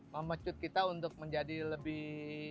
memecut kita untuk menjadi lebih